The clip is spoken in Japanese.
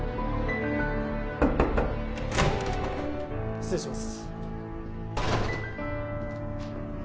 失礼します。